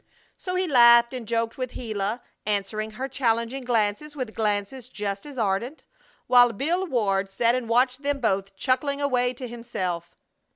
So he laughed and joked with Gila, answering her challenging glances with glances just as ardent, while Bill Ward sat and watched them both, chuckling away to himself.